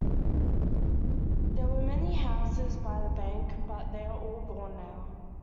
There were many houses by the bank but they are all gone now.